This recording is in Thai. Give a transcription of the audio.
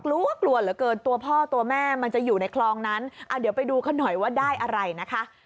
กลัวกลัวเหลือเกินตัวพ่อตัวแม่มันจะอยู่ในคลองนั้นเดี๋ยวไปดูเขาหน่อยว่าได้อะไรนะคะ